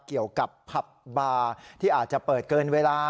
เกี่ยวกับผับบาร์ที่อาจจะเปิดเกินเวลา